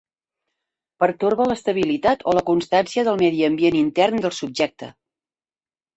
Pertorba l'estabilitat o la constància del medi ambient intern del subjecte.